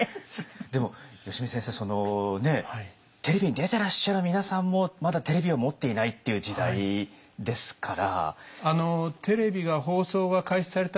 でも吉見先生そのテレビに出てらっしゃる皆さんもまだテレビを持っていないっていう時代ですから。